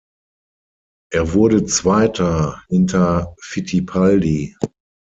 Er wurde Zweiter hinter Fittipaldi.